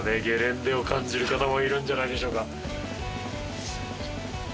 ゲレンデを感じる方もいるんじゃないでしょうか。